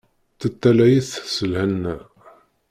Teṭṭalay-it s lhenna.